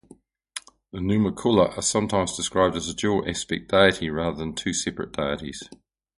The Numakulla are sometimes described as a dual-aspect deity rather than two separate deities.